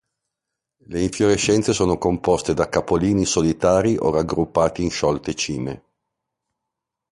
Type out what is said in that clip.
Le infiorescenze sono composte da capolini solitari o raggruppati in sciolte cime.